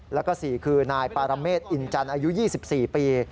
แล้วก็๔คือนายปารเมฆอินจันทร์อายุ๒๔ปี